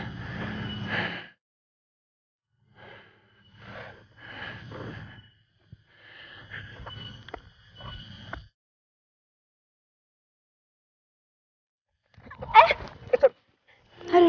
gue gak boleh nyamperin